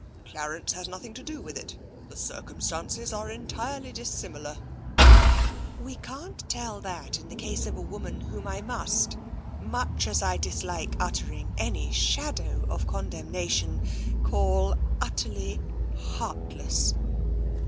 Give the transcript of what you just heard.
" Clarence has nothing to do with it. The cir cumstances are entirely dissimilar." *' We can't tell that in the case of a woman whom I must, much as I dislike uttering any shadow of con demnation, call utterly heartless.